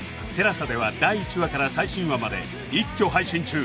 ＴＥＬＡＳＡ では第１話から最新話まで一挙配信中